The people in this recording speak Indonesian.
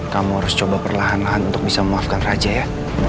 kamu harus coba perlahan lahan untuk bisa memaafkan raja ya